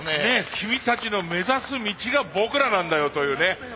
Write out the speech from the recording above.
君たちの目指す道が僕らなんだよというね。